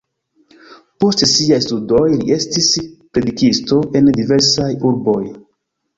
Post siaj studoj li estis predikisto en diversaj urboj.